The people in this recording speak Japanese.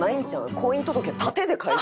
婚姻届縦で書いてる。